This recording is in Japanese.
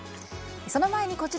その前にこちら。